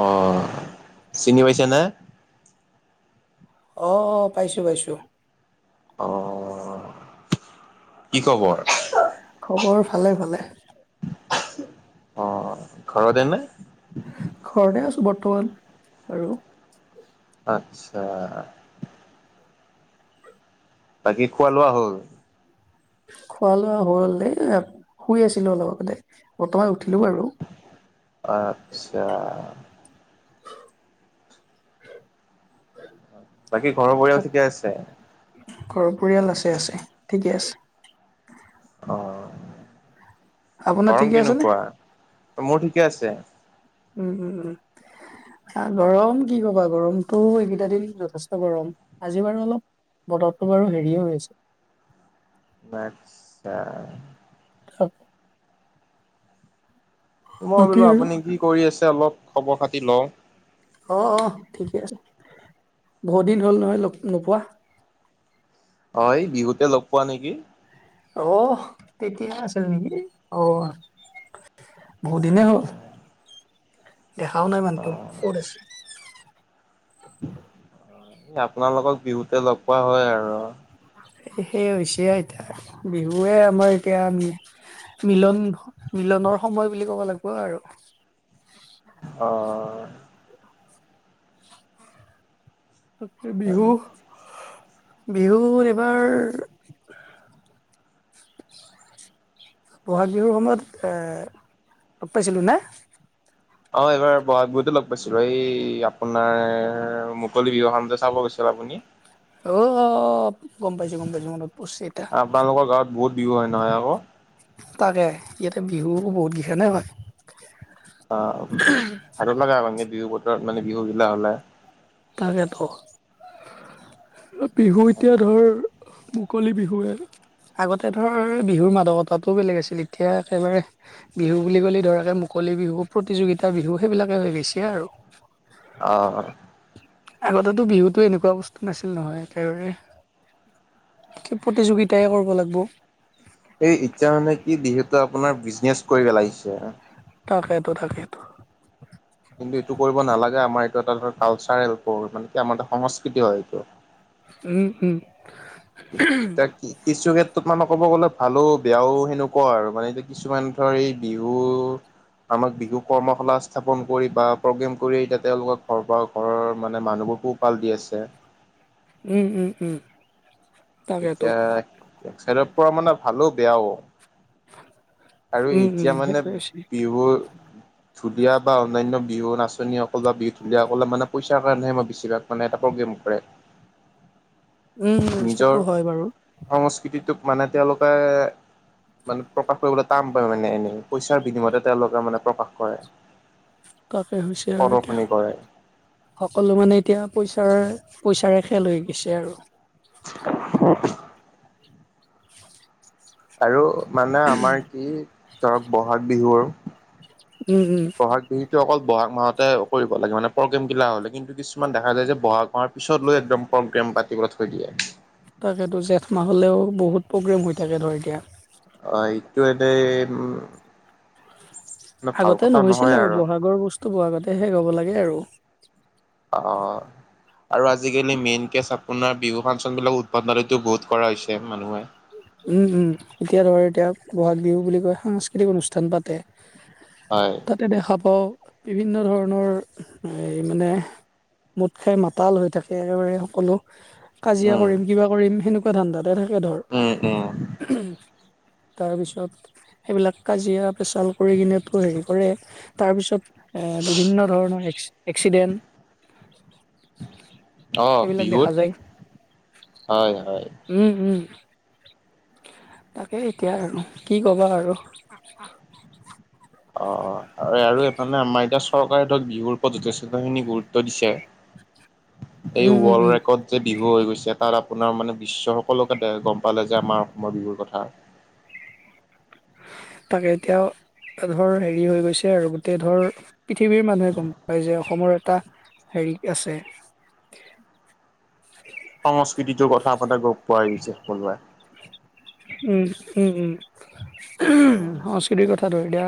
অ চিনি পাইছে না? অ অ পাইছোঁ পাইছোঁ। অ কি খবৰ? খবৰ ভালে ভালে। অ ঘৰতে নে? ঘৰতে আছো বৰ্তমান বাৰু। আচ্ছা। বাকী খোৱা লোৱা হ'ল? খোৱা লোৱা হল দেই, শুই আছিলো অলপ আগতে বৰ্তমান উঠিলো আৰু। আচ্ছা বাকী ঘৰৰ পৰিয়ালৰ ঠিকে আছে। ঘৰ পৰিয়াল আছে আছে ঠিকে আছে। অ আপোনাৰ গৰম ঠিকে আছে নে কেনেকুৱা? মোৰ ঠিকে আছে। উম উম উম। অহ গৰম কি কবা গৰমতটো এইকেইটা দিন যথেষ্ট গৰম। আজি বাৰু অলপ বতৰটো বাৰু হেৰিয়ে হৈ আছে। আচ্ছা। [unintelligible] মই বাকী বোলো আৰু আপুনি কি কৰি আছে অলপ খবৰ খাতি লওঁ। অ অ, ঠিকে আছে। বহুত দিন হ'ল নহয় লগ নোপোৱা। অ এই বিহুতে লগ পোৱা নেকি? অহ তেতিয়া আছিল নেকি অহ। বহুত দিনে হ'ল। দেখাও নাই মানুটো কত অ'। আছে। আপোনালোকক বিহুতে লগ পোৱা হয় আৰু। এই সেই হৈছে এতয়া। বিহুৱে আমাৰ এতিয়া আমি মিলন মিলনৰ সময় বুলি ক'ব লাগিব আৰু। অ। তাক বিহু অ'। বিহুত এইবাৰ ব'হাগ বিহুৰ সময়ত, লগ পাইছিলোঁ নে? অ এইবাৰ বহাগ বিহুতে লগ পাইছিলো। এই আপোনাৰ মুকলি বিহুখন যে চাব গৈছিল আপুনি। অ-অ গম পাইছো, গম পাইছো মনত পৰছে ইটা। আপোনালোকৰ গাঁৱত বহুত বিহু হয় নহয় আকৌ। তাকে ইয়াতে বিহু বহুত গেখানে হয়। অ ভালো লাগে আৰু ইনকে বিহু বতৰত এনকে বিহু বিলাক হলে। তাকে তো বিহু এতিয়া ধৰ মুকলি বিহুৱে আগতে ধৰ বিহুৰ মাদকতাটো বেলেগ আছিল। এতিয়া একেবাৰে বিহু বুলি ক'লে ধৰ একে মুকলি বিহু, প্ৰতিযোগিতা বিহু, সেইবিলাকে হৈ গেছে আৰু। অ। আগতেতো বিহুতো এনেকুৱা বস্তু নাছিল নহয় একেবাৰে। প্ৰতিযোগিতাই কৰিব লাগিব। এই ইতিয়া মানে কি বিহুতো আপোনাৰ বিজনেজ কৰি পেলাইছে। তাকেতো, তাকেইতো। কিন্তু এইটো কৰিব নালাগে আমাৰ এইটো এটা ধৰ কালচাৰেল মানে কি আমাৰ এটা সংস্কৃতি হয় এইটো। উম উম। তাক কিছু ক্ষেত্ৰত মানে ক'ব গ'লে ভালো বেয়াও সেনেকুৱা আৰু। মানে এতিয়া কিছুমান ধৰ এই বিহু আমাক বিহু কৰ্মশালা স্থাপন কৰি বা প্ৰগ্ৰেম কৰি এতিয়া তেওঁলোকৰ ঘৰৰ পৰা ঘৰৰ মানে মানুহবোৰ পো হপাল দি আছে। উম উম উম। তাকেতো এতিয়া এক চাইডৰ পৰা মানে ভালো বেয়াও। আৰু উম উম এতিয়া মানে সেইটোৱে হৈছে। বিহু ঢুলীয়া বা অন্যান্য বিহু নাচনিসকল বা বিহু ঢুলীয়াসকলে মানে পইচাৰ কাৰণেহে মই বেছিভাগ মানে এটা প্ৰগ্ৰেম কৰে। উম নিজৰ সেইটো হয় বাৰু। সংস্কৃতিটোক মানে তেওঁলোকে মানে প্ৰকাশ কৰিবলৈ টান পায় মানে এনে। পইচাৰ বিনিময়তহে তেওঁলোকে মানে প্ৰকাশ কৰে। তাকে হৈছে আৰু এতিয়া। প্ৰদৰ্শনী কৰে সকলো মানে এতিয়া পইচাৰ- পইচাৰে খেল হৈ গৈছে আৰু। [unintelligible] [inaudible] আৰু মানে আমাৰ কি ধৰক বহাগ বিহুৰ উম উম। বহাগ বিহুটো অকল বহাগ মাহতে কৰিব লাগে মানে প্ৰগ্ৰেমগিলা হ'লে, কিন্তু কিছুমান দেখা যায় যে বহাগ মাহত পিছত লৈ একদম প্ৰগ্ৰেম পাতিবলৈ থৈ দিয়ে। তাকেতো জেঠ মাহ হলেও বহুত প্ৰগ্ৰেম হৈ থাকে ধৰ এতিয়া। অ এইটো এনে উ। আগতে নহৈছিল আৰু বহাগৰ বস্তু বহাগতে শেষ হ'ব লাগে আৰু। অ আৰু আজিকালি মেইন কেচ আপোনাৰ বিহু ফাংচন বিলাক উদ্ভাৱনিটো বহুত কৰা হৈছে মানুহে। উম উম এতিয়া ধৰ এতিয়া বহাগ বিহু বুলি কয় সাংস্কৃতিক অনুষ্ঠান পাতে। হয়। তাতে দেখা পাওঁ বিভিন্ন ধৰণৰ এই মানে মত খাই মাতাল হৈ থাকে একেবাৰে সকলো। কাজিয়া উম কৰিম কিবা কৰিম সেনেকুৱা ধান্দাতে থাকে ধৰ। [unintelligible] [unintelligible] তাৰপিছত সেইবিলাক কাজিয়া পেচাল কৰি কিনেতো হেৰি কৰে, তাৰপিছত বিভিন্ন ধৰণৰ এক্সিডেণ্ট অ সেইবিলাক বিহুত দেখা যায় হয় হয়। উম উম তাকে এতিয়া আৰু কি ক'বা আৰু। অ অ আৰু মানে আমাৰ এতিয়া চৰকাৰে ধৰক বিহুৰ ওপৰত যথেষ্টখিনি গুৰুত্ব দিছে। এই উম, উম, উম, ৱৰ্ল্ড ৰেকৰ্ড যে বিহু হৈ গৈছে তাত আপোনাৰ মানে বিশ্বৰ সকলোকে দে গম পালে যে আমাৰ অসমৰ বিহুৰ কথা। তাকে এতিয়াও ধৰ হেৰি হৈ গৈছে আৰু গোটেই ধৰ পৃথিৱীৰ মানুহে গম পায় যে অসমৰ এটা হেৰি আছে। সংস্কৃতি জগঠা আপোনা গম পোৱাই গৈছে সকলোৱে। উম উম সংস্কৃতিৰ কথাটো এতিয়া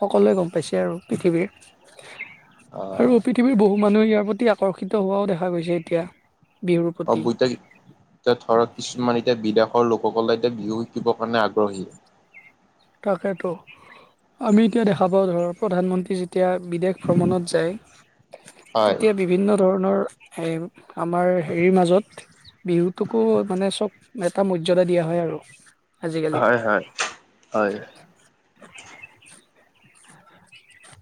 সকলোৱে গম পাইছে আৰু পৃথিৱীৰ। আৰু পৃথিৱীৰ বহু মানুহে ইয়াৰ প্ৰতি আকৰ্ষিত হোৱাও দেখা গৈছে এতিয়া। বিহুৰ [unintelligible] প্ৰতি ধৰক কিছুমান এতিয়া বিদেশৰ লোকসকলে এতিয়া বিহু শিকিবৰ কাৰণে আগ্ৰহী। তাকেতো আমি এতিয়া দেখা পাওঁ ধৰ প্ৰধানমন্ত্ৰী যি যেতিয়া বিদেশ ভ্ৰমণত যায় হয় তেতিয়া বি- বিভিন্ন ধৰণৰ এ আমাৰ হেৰিৰ মাজত বিহুটোকো মানে চব এটা মৰ্যাদা দিয়া হয় আৰু। আজিকালি হয় হয় হয়। [inaudible]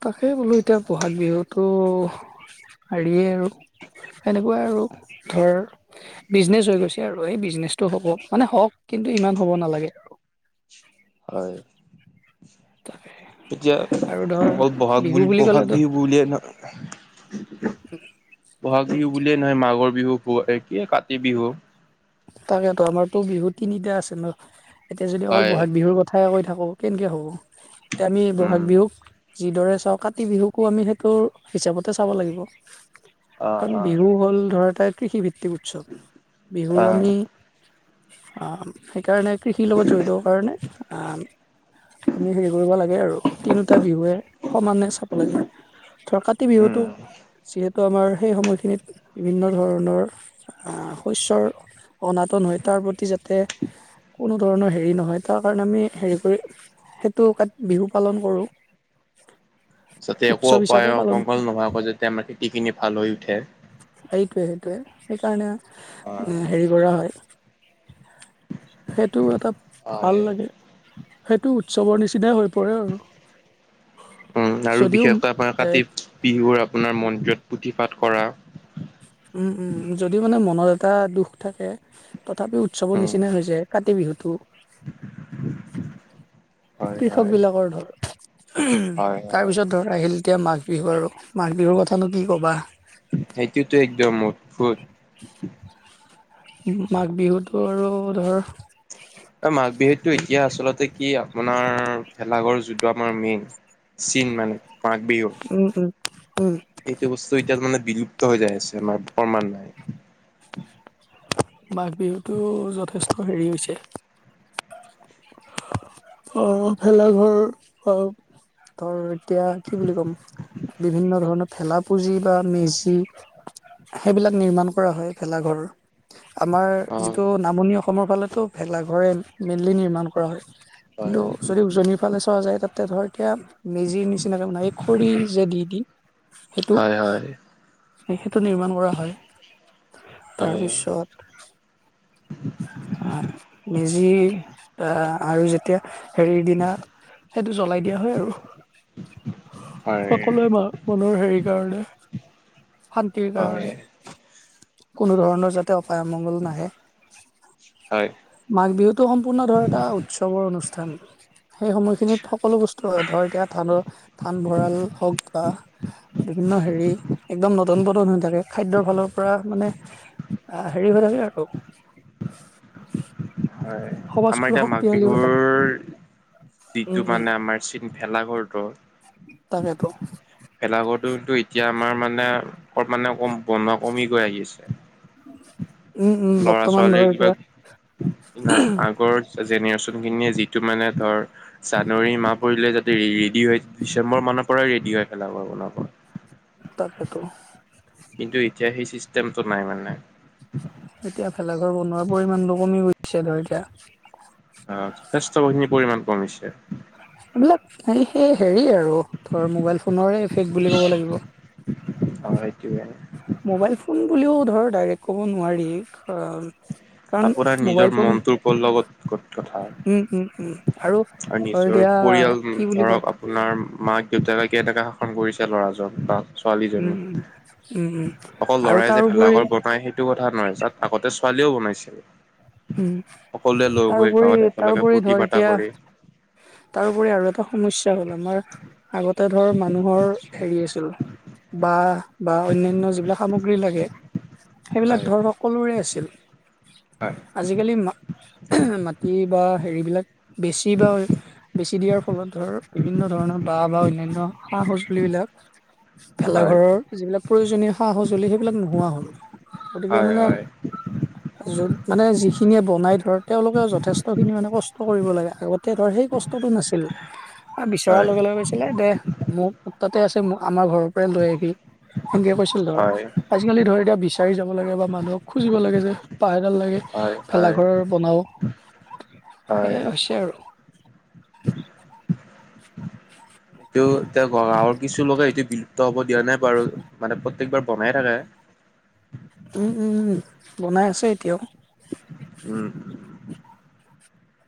তাকেই বোলো এতিয়া ব'হাগ বিহুতটো হেৰিয়ে আৰু। এনেকুৱাই আৰু ধৰ। বিজনেচ হৈ গৈছে আৰু, সেই বিজনেচটো হব, মানে হওক কিন্তু ইমান হ'ব নালাগে। হয়, তাকে এতিয়া আৰু ধৰ অ বহাগ বিহু বুলি বহাগ ক'লেতো বিহু বুলিয়ে ন [inaudible] ব'হাগ বিহু বুলিয়ে নহয় মাঘৰ বিহু কি কাতি বিহু তাকেতো আমাৰতো বিহু তিনিটা আছে ন, এতিয়া যদি অকল হয় ব'হাগ বিহুৰ কথ কথাই কৈ থাকো কেনেকে হ'ব? এতিয়া আমি উম বহাগ বিহুক যিদৰে চাওঁ কাতি বিহুকো আমি সেইটো হিচাপতে চাব লাগিব। অ কাৰণ অ বিহু হ'ল ধৰ এটা কৃষিভিত্তিক উৎসৱ। অ বোৰ আমি সেইকাৰণে কৃষিৰ লগত জড়িত কাৰণে আ আমি হেৰি কৰিব লাগে আৰু তিনিওটা বিহুৱে সমানে চাব লাগে। থৰ কাতি বিহুটো উম যিহেত- ত আমাৰ সেই সময়খিনিত বিভিন্ন ধৰণৰ শস্যৰ অনাতন হয় তাৰ প্ৰতি যাতে কোনো ধৰণৰ হেৰি নহয় তাৰ কাৰণে আমি হেৰি কৰি সেইটো [unintelligible] বিহু পালন কৰোঁ। যাতে একো উৎসৱ অপায় হিচাপে পালন কৰোঁ। অমংগল নোহোৱা কৈ যাতে আমাৰ খেতি খিনি ভাল হৈ উঠে। এইটোৱে সেইটোৱে সেইকাৰণে হেৰি কৰা হয় সেইটো এটা হয় ভাল লাগে। সেইটো উৎসৱৰ নিচিনাই হৈ পৰে আৰু, উম আৰু যদিও বিশেষকৈ আপোনাৰ এ কাতি বিহুৰ আপোনাৰ মন্দিৰত পুথি পাঠ কৰা। উম, উম যদিও মানে মনত এটা দুখ থাকে তথাপিও উৎসৱৰ উম নিচিনা হৈ যায়। কাতি বিহুটো। [unintelligible] হয় কৃষক হয় বিলাকৰ ধৰ হয় তাৰ হয় পিছত ধৰ আহিল এতিয়া মাঘ বিহু আৰু মাঘ বিহুৰ কথানো কি ক'বা। সেইটোতো একদম অদ্ভুত। মাঘ বিহুটো আৰু ধৰ অ, মাঘ বিহুতটো এতিয়া আচলতে কি আৰু। আপোনাৰ ভেলাঘৰ যোনটো আমাৰ মেইন চীন মানে মাঘ বিহুৰ উম, উম, উম। এইটো বস্তু এতিয়া মানে বিলুপ্ত হৈ যায় আছে আমাৰ প্ৰমান নাই। মাঘ বিহুটো যথেষ্ট হেৰি হৈছে অ' ভেলাঘৰ অ' ধৰ এতিয়া কি বুলি কম। বিভিন্ন ধৰণৰ ভেলা পুজি বা মেজি। সেইবিলাক নিৰ্মাণ কৰা হয় ভেলাঘৰৰ। আমাৰ অ যিটো নামনি অসমৰ ফালেটো ভেলাঘৰে মেইনলি নিৰ্মাণ কৰা হয়। হয় কিন্তু যদি উজনিৰ ফালে চোৱা যায় তাতে ধৰ এতিয়া মেজিৰ নিচিনাকৈ বনাই। খৰি যে দি দি সেইটো হয় হয় সেইটো নিৰ্মাণ কৰা হয় হয় তাৰপিছত মেজি আৰু যেতিয়া হেৰিৰ দিনা সেইটো জ্বলাই দিয়া হয় আৰু হয় সকলোৱে মা মনৰ হেৰিৰ কাৰণে শান্তিৰ হয় কাৰণে। কোনো ধৰণৰ যাতে অপায় অমংগল নাহে। হয়। মাঘ বিহুটো সম্পূৰ্ণ ধৰ এটা উৎসৱৰ অনুষ্ঠান। সেই সময়খিনিত সকলো বস্তু ধৰ এতিয়া ধানৰ ধান ভঁৰাল হওক বা বিভিন্ন হেৰি একদম নদন-বদন হৈ থাকে খাদ্যৰ ফালৰ পৰা মানে আ, হেৰি হৈ থাকে আৰু। [inaudible] হয় আমাৰ সমাজখন এতিয়া মাঘ শক্তিশালী হৈ থাকে। বিহুৰ যিটো উম উম। মানে আমাৰ ভেলাঘৰটোৰ তাকেতো। ভেলাঘৰটো তো এতিয়া আমাৰ মানে অলপ মানে কম বনোৱা কমি গৈ আহি আছে। উম উম লৰা বৰ্তমান ছোৱালীৰ ধৰ কিবা এতিয়া আগৰ জেনেৰেচন খিনিয়ে যিটো মানে ধৰ জানুৱাৰী মাহ পৰিলে যাতে ৰেডি হয় ডিচেম্বৰ মানৰ পৰাই ৰেডি হৈ ভেলাঘৰ বনাব। তাকেটো। কিন্তু এতিয়া সেই চিষ্টেমটো নাই মানে। এতিয়া ভেলাঘৰ বনোৱাৰ পৰিমাণটো কমি গৈছে ধৰ এতিয়া। অ' যথেষ্ট খিনি পৰিমাণ কমিছে। এইবিলাক এই সেই হেৰি আৰু ধৰ মোবাইল ফোনেৰে এফেক্ট বুলি ক'ব লাগিব। অ', এইটোৱে। মোবাইল ফোন বুলিও ধৰ ডাইৰেক্ট ক'ব নোৱাৰি অ' আপোনাৰ নিজৰ মনটোৰ ওপৰ লগত কথা। উম উম উম আৰু ধৰ নিজৰ এতিয়া পৰিয়াল কি বুলি ধৰক ক'ম আপোনাৰ মাক দেউতাকে কে টাকা শাসন কৰিছে ল'ৰাজন বা উম ছোৱালীজনী উম উম উম অকল আৰু লৰাই যে তাৰোপৰি ভেলাঘৰ বনাই সেই এইটো কথা নহয় চাক আগতে ছোৱালীও বনাইছিল। সকলোৱে উম লগ হৈ তাৰোপৰি গাঁৱত একেলগে তাৰোপৰি ফূৰ্তি ধৰ ফাৰ্তা এতিয়া কৰি তাৰোপৰি আৰু এটা সমস্যা হ'ল আমাৰ আগতে ধৰ মানুহৰ হেৰি হৈছিল। বাঁহ বাঁহ অন্যান্য যিবিলাক সামগ্ৰী লাগে সেইবিলাক হয় ধৰ সকলোৰে আছিল। হয়। আজিকালি মা মাটি বা হেৰিবিলাক বেছি বা- বেছি দিয়াৰ ফলত ধৰ বিভিন্ন ধৰণৰ বাঁহ বা অনন্য সা সজুলিবিলাক- ভেলা হয় ঘৰৰ যিবিলাক প্ৰয়োজনীয় সা সঁজুলি সেইবিলাক নোহোৱা হল। গতিকে হয় হয় মানে- [unintelligible] যদ- মানে যিখিনিয়ে বনাই ধৰ তেওঁলোকেও যথেষ্টখিনি মানে কষ্ট কৰিব লাগে। আগতে ধৰ সেই কষ্টটো নাছিল। বিচৰাৰ হয় লগে লগে হৈছিলে দে মোক তাতে আছে আমাৰ ঘৰৰ পৰাই লৈ আহবি। হেনকে কৈছিল ধৰ। আজিকালি ধৰ এতিয়া বিচাৰি যাব লাগে বা মানুহক খুজিব লাগে যে বাঁহ এডাল লাগে। হয় হয় হয় ভেলাঘৰৰ বনাওঁ, হয় সেয়াই হৈছে আৰু। [inaudible] [inaudible] তেওঁ এ গাঁৱৰ কিছু লোকে এটো বিলুপ্ত হব দিয়া নাই বাৰু মানে প্ৰত্যেক বাৰ বনাই থাকে। উম উম বনাই আছে এতিয়াও। উম।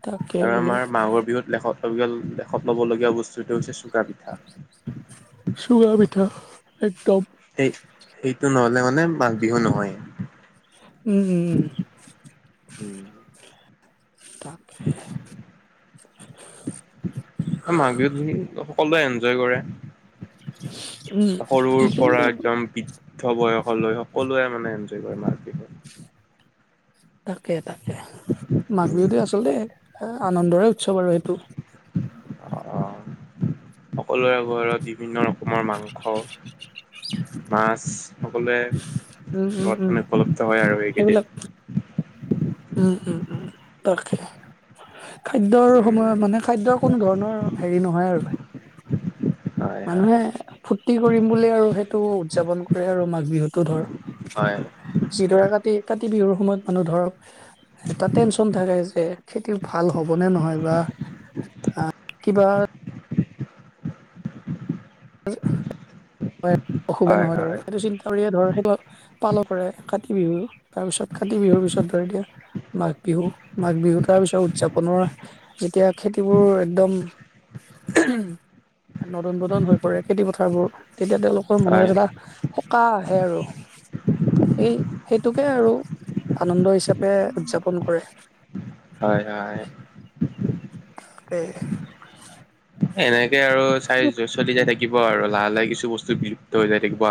তাকে আৰু বোলো আমাৰ মাঘৰ বিহুত লেখত লবীয়ল লেখত ল'বলগীয়া বস্তুটো হৈছে চুঙা পিঠা। চুঙা পিঠা একদম। এই এইটো নহলে মানে মাঘ বিহু নহয়ে। উম উম উম। তাক হে। মাঘ বিহুত সকলোৱে এনজয় কৰে। উম সৰুৰ সেইখিনি পৰা একদম। বৃদ্ধ বয়সলৈ সকলোৱে মানে এনজয় কৰে মাঘ বিহুত। তাকে তাকে মাঘ বিহুতে আচলতে আনন্দৰে উৎসৱ আৰু সেইটো। [unintelligible] সকলোৰে ঘৰত বিভিন্ন ৰকমৰ মাংস, মাছ সকলোৱে- উম উম ঘত উম মানে উপলব্ধ হয় আৰু সেইবিলাক সেইকেইদিন। উম উম উম তাকে খাদ্যৰ সময়ত উম, মানে- খাদ্যৰ কোনো ধৰণৰ হেৰি নহয় আৰু পায়। হয়, মানুহে হয়, ফূৰ্তি কৰিম বুলি আৰু সেইটো উদ্‌যাপন কৰে আৰু মাঘ বিহুত। টো ধৰ হয়, যিডৰা কাতি কাতি বিহুৰ সময়ত মানুহ ধৰ- এটা টেনচন থাকে যে- খেতি ভাল হ'বনে নহয় বা আ কিবা অসুবিধা হয়, নহয় আৰৰ হয়, [unintelligible] কৰিয়ে ধৰ সেইটো পালন কৰে কাতি বিহু, তাৰ পিছত কাতি বিহুৰ পিছত ধৰ এতিয়া মাঘ বিহু মাঘ বিহু তাৰপিছত উদ্‌যাপনৰ যেতিয়া খেতিবোৰ একদম- নদন বদন হৈ- কৰে খেতি পথাৰবোৰ তেতিয়া তেওঁলোকৰ হয়, মনত এটা সকাহ আহে আৰু। সেই সেইটোকে আৰু আনন্দ হিচাপে উদ্‌যাপন কৰে। হয় হয়। এ এনেকে আৰু চাই চলি যাই থাকিব আৰু লাহে লাহে কিছু বস্তু বিলুপ্ত হৈ যাই থাকিব।